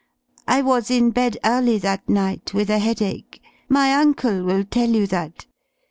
I was in bed early that night, with a headache. My uncle will tell you that.